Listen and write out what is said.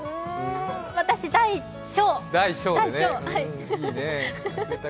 私大・小。